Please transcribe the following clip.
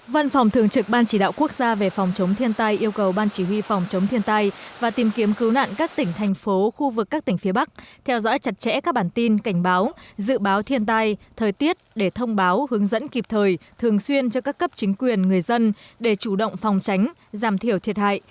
văn phòng thường trực ban chỉ đạo quốc gia về phòng chống thiên tài yêu cầu ban chỉ huy phòng chống thiên tài